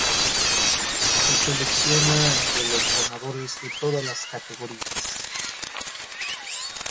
Se selecciona entre los ganadores de todas las categorías.